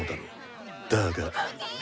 だが。